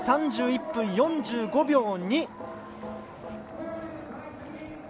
３１分４５秒２。